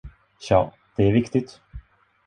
Tja, det är viktigt.